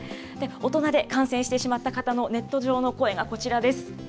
大人で感染してしまった方のネット上の声がこちらです。